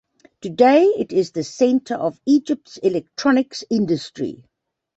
Today it is the center of Egypt's electronics industry.